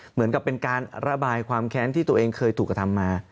เหมือนกับเป็นการระบายความแค้นที่ตัวเองเคยถูกกระทำมา